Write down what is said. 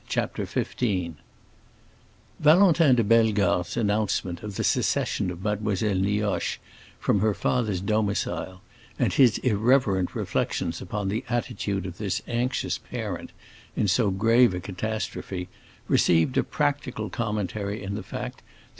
CHAPTER XV Valentin de Bellegarde's announcement of the secession of Mademoiselle Nioche from her father's domicile and his irreverent reflections upon the attitude of this anxious parent in so grave a catastrophe, received a practical commentary in the fact that M.